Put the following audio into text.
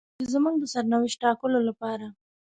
چې زموږ د سرنوشت ټاکلو لپاره.